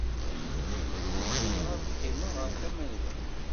Zemreɣ ad qqimeɣ ɣer tama-nwen?